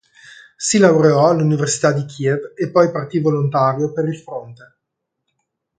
Si laureò all'Università di Kiev e poi partì volontario per il fronte.